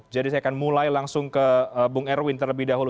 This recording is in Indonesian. jadi saya akan mulai langsung ke bung erwin terlebih dahulu